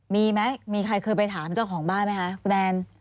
มีมั้ยมีใครเคยไปถามเจ้าของบ้านไหมลูกแดน